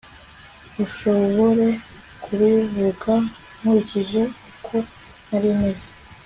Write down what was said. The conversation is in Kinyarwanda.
bushobore kubivuga nkurikije uko narimeze